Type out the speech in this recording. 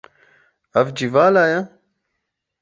Ev cî vala ye?